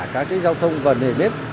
các cái giao thông vào nề nếp